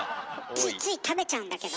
ついつい食べちゃうんだけどね。